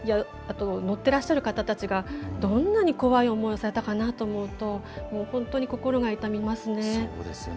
乗ってらっしゃる方たちがどんなに怖い思いをされたかと思うと本当に心が痛みますね。